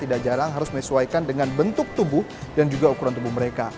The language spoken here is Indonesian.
tidak jarang harus menyesuaikan dengan bentuk tubuh dan juga ukuran tubuh mereka